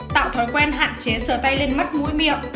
tạo thói quen hạn chế sửa tay lên mắt mũi miệng